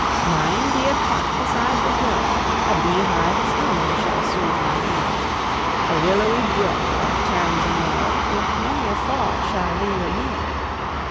Mine be a cot beside the hill; A bee hive's hum shall soothe my ear; A willowy brook that turns a mill With many a fall shall linger near.